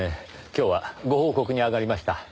今日はご報告に上がりました。